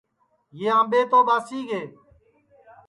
یہ آمٻے تو ٻاسی گے